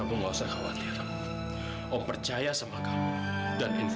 tunggu sebentar ya rev sin